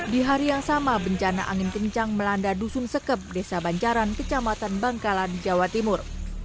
di hari yang sama bencana angin kencang melanda dusun sekep desa banjaran kecamatan bangkala di jawa timur